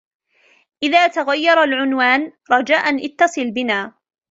إذا تغير العنوان, رجاءً إتصل بنا.